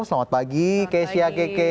selamat pagi kezia keke